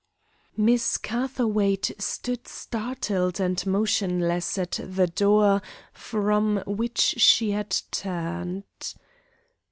Miss Catherwaight stood startled and motionless at the door from which she had turned.